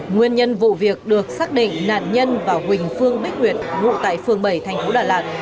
nguyên nhân vụ việc được xác định nạn nhân và huỳnh phương bích nguyệt ngụ tại phường bảy thành phố đà lạt